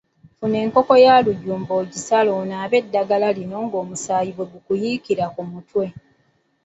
Funa enkoko ya lujumba ogisale onaabe eddagala lino ng'omusaayi bwe gukuyiikira mu mutwe.